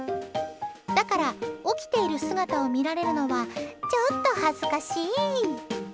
だから、起きている姿を見られるのはちょっと恥ずかしい。